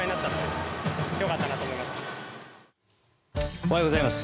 おはようございます。